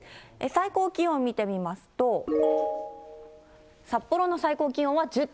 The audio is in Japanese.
最高気温見てみますと、札幌の最高気温は１０．２度。